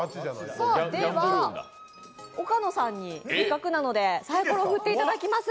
岡野さんにせっかくなのでサイコロ振っていただきます。